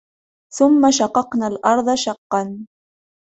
ثُمَّ شَقَقْنَا الْأَرْضَ شَقًّا